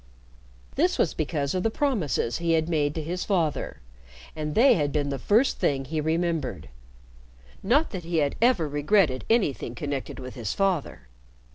This was because of the promises he had made to his father, and they had been the first thing he remembered. Not that he had ever regretted anything connected with his father.